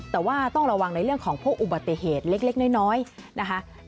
แต่ว่าต้องระวังในเรื่องของพวกอุบัติเหตุเล็กน้อยนะคะ